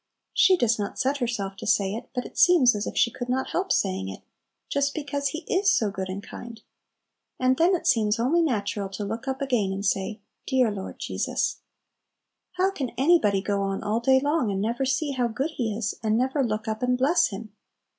She does not set herself to say it, but it seems as if she could not help saying it, just because He is so good and kind. And then it seems only natural to look up again and say, "Dear Lord Jesus!" How can anybody go on all day long, and never see how good He is, and never look up and bless Him?